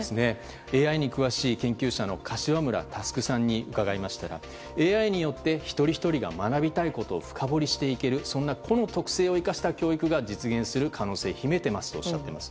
ＡＩに詳しい、研究者の柏村祐さんに伺いましたらＡＩによって一人ひとりが学びたいことを深掘りしていける個の特性を生かした教育が実現する可能性を秘めているとおっしゃっています。